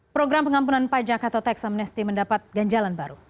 program pengampunan pajak atau tax amnesty mendapat ganjalan baru